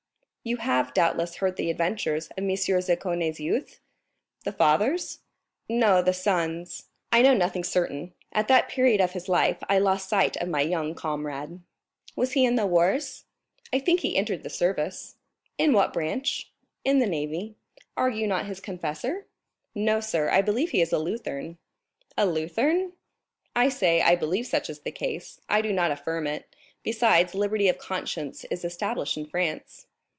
"You have, doubtless, heard the adventures of M. Zaccone's youth?" "The father's?" "No, the son's." "I know nothing certain; at that period of his life, I lost sight of my young comrade." "Was he in the wars?" "I think he entered the service." "In what branch?" "In the navy." "Are you not his confessor?" "No, sir; I believe he is a Lutheran." "A Lutheran?" "I say, I believe such is the case, I do not affirm it; besides, liberty of conscience is established in France."